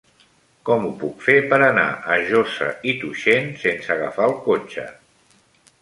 Com ho puc fer per anar a Josa i Tuixén sense agafar el cotxe?